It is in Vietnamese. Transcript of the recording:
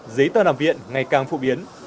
giấy tờ nằm viện ngày càng phụ biến